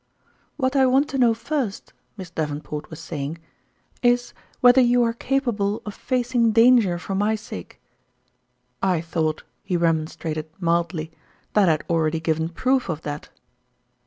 " What I want to know first," Miss Daven port was saying, " is whether you are capable of facing danger for my sake ?"" I thought," he remonstrated mildly, " that I had already given proof of that